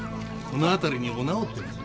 この辺りにお直って子いない？